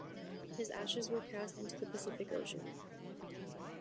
His ashes were cast into the Pacific Ocean.